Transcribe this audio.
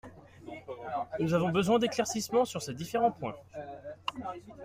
Nous avons besoin d’éclaircissements sur ces différents points.